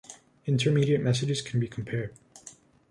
Intermediate messages can be compared.